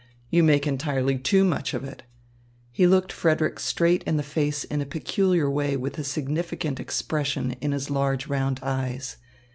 "You make entirely too much of it." He looked Frederick straight in the face in a peculiar way with a significant expression in his large round eyes.